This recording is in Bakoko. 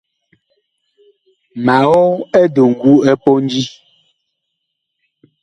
Ma og eduŋgu ɛ pondi.